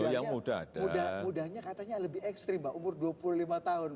yang muda katanya mudanya katanya lebih ekstrim pak umur dua puluh lima tahun pak